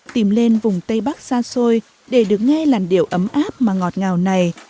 tìm lên vùng tây bắc xa xôi để được nghe làn điệu ấm áp mà ngọt ngào này